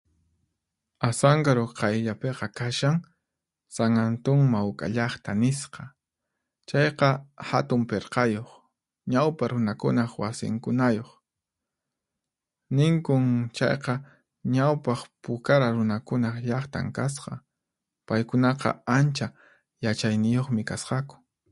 "Asankaru qayllapiqa kashan ""San Antun Mawk'a Llaqta"" nisqa. Chayqa hatun pirqayuq, ñawpa runakunaq wasinkunayuq. Ninkun chayqa ñawpaq Pukara runakunaq llaqtan kasqa, paykunaqa ancha yachayniyuqmi kasqaku."